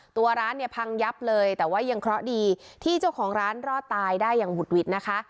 ตัวร้านเนี่ยพังยับเลยแต่ว่ายังเคราะห์ดีที่เจ้าของร้านรอดตายได้อย่างบุดหวิดนะคะ